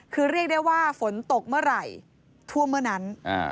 คือเรียกได้ว่าฝนตกเมื่อไหร่ท่วมเมื่อนั้น